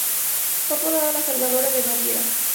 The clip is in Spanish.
Fue apodada "La salvadora de Baviera".